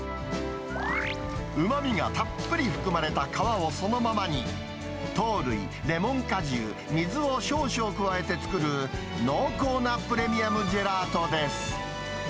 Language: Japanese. うまみがたっぷり含まれた皮をそのままに、糖類、レモン果汁、水を少々加えて作る濃厚なプレミアムジェラートです。